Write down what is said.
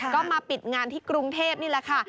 ก็มาปิดงานที่กรุงเทพนี่แหละค่ะ